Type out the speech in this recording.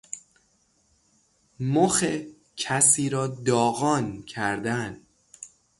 مخ کسی را داغان کردن